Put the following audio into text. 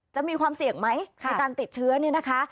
จะมีความเสี่ยงไหมในการติดเชื้อเนี่ยนะคะ